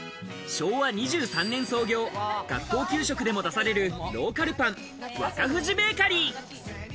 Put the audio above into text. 昭和２３年創業、学校給食でも出されるローカルパン、ワカフジベーカリー。